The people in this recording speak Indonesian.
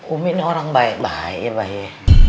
umi ini orang baik baik ya mbah ya